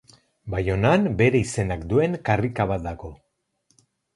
Baionan bere izenak duen karrika bat dago.